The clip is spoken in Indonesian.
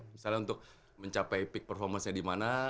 misalnya untuk mencapai peak performance nya di mana